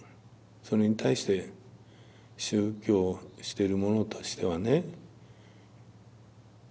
それに対して宗教をしてる者としてはね。